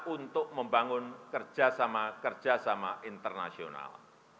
untuk membangun kerjasama kerjasama internasional